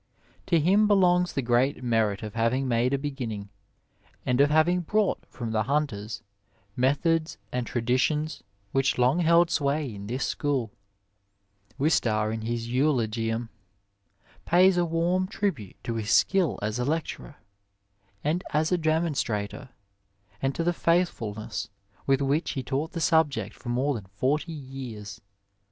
To him belongs the great merit of having made a beginning, and of having brought from the Hunters methods and traditions which long held sway in this school. Wistar in his eulogium pays a warm tribute to his skill as a lecturer and as a demonstrator, and to the faithfulness with which Digitized by VjOOQIC THE LEAVEN OF SCIENCE he taught the subject for moie than forty years.